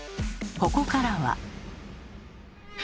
ここからは。